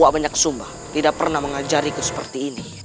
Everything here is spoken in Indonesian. banyak sumba tidak pernah mengajariku seperti ini